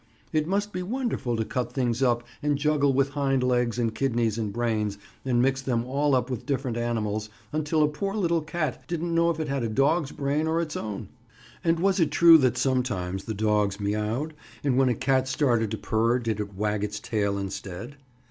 It must be wonderful to cut things up and juggle with hind legs and kidneys and brains and mix them all up with different animals, until a poor little cat didn't know if it had a dog's brain or its own? And was it true that sometimes the dogs me owed, and when a cat started to purr did it wag its tail instead?